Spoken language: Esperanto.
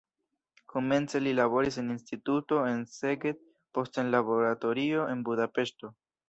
Komence li laboris en instituto en Szeged, poste en laboratorio en Budapeŝto.